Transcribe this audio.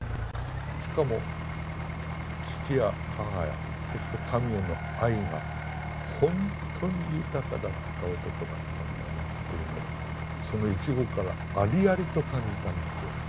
しかも父や母やそして神への愛がほんとに豊かだった男だったんだなというのをその一語からありありと感じたんですよ。